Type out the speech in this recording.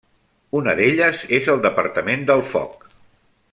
Una d'elles és el departament del Foc.